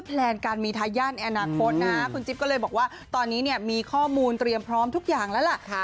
พี่จิ๊บก็เลยบอกว่าตอนนี้เนี่ยมีข้อมูลเตรียมพร้อมทุกอย่างแล้วล่ะ